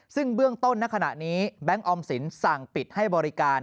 ซึ่งเบื้องต้นณขณะนี้แบงค์ออมสินสั่งปิดให้บริการ